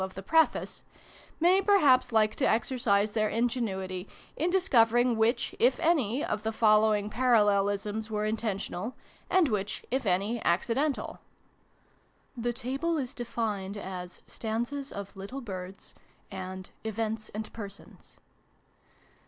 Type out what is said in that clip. of the Preface, may perhaps like to exercise their ingenuity in discovering which (if any) of the following parallelisms were intentional, and which (if any) accidental. " Little Birds." Events, and Persons.